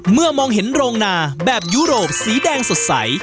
มองเห็นโรงนาแบบยุโรปสีแดงสดใส